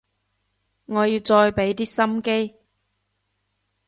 我要再畀啲心機